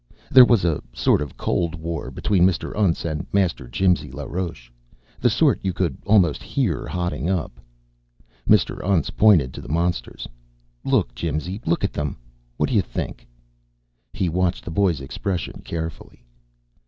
There was a sort of cold war between Mr. Untz and Master Jimsy LaRoche, the sort you could almost hear hotting up. Mr. Untz pointed to the monsters. "Look, Jimsy. Look at them. What do you think?" He watched the boy's expression carefully.